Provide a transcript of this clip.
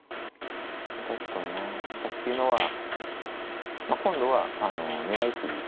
対してこの７八飛車っていうのはまあ今度はあの狙い筋逆に。